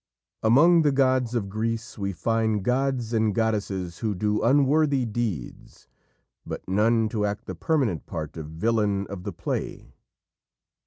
Among the gods of Greece we find gods and goddesses who do unworthy deeds, but none to act the permanent part of villain of the play.